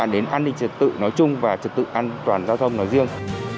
đến an ninh trật tự nói chung và trật tự an toàn giao thông nói riêng